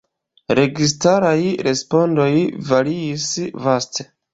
Registaraj respondoj variis vaste.